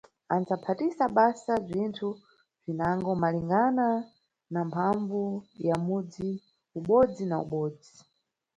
Andzaphatisa basa bzinthu bzinango malingana na mphambvu ya mudzi ubodzi na ubodzi.